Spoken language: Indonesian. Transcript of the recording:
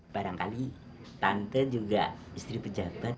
barangkali tante juga istri pejabat